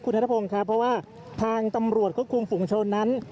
คุณธรรมค์ครับเพราะว่าทางตำรวจกรุงฝุงชนนั้น